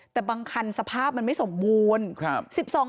แต่บางคันสภาพมันไม่สมบูรณ์